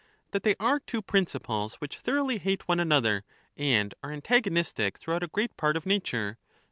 That they are two principles which thoroughly hate one another and are antagonistic throughout a great part of nature.